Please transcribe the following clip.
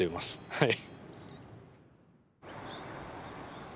はい。